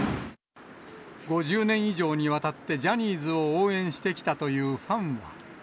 ５０年以上にわたってジャニーズを応援してきたというファンは。